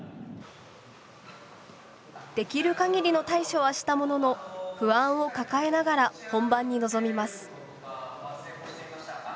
できるかぎりの対処はしたものの不安を抱えながら本番に臨みます。